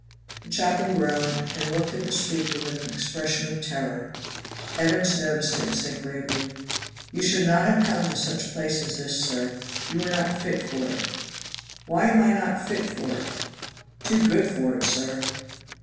The chaplain groaned and looked at the speaker with an expression of terror. Evans noticed it and said gravely: "You should not have come to such place as this, sir; you are not fit for it." "Why am I not fit for it?" "Too good for it, sir."